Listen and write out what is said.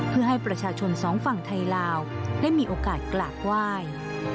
เพื่อให้ประชาชนสองฝั่งไทยลาวได้มีโอกาสกราบไหว้